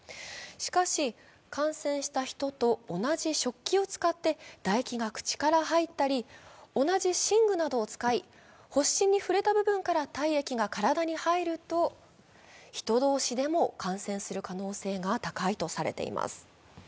しかし、感染した人と同じ食器を使って唾液が口から入ったり、同じ寝具などを使い、発疹に触れた部分から体液が体に入ると人同士でも感染する可能性が高いとされています。